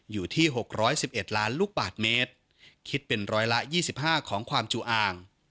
อยู่ที่หกร้อยสิบเอ็ดล้านลูกบาทเมตรคิดเป็นร้อยละยี่สิบห้าของความจุอ่าง